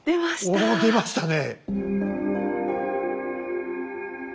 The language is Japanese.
お出ましたね。